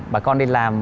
bà con đi làm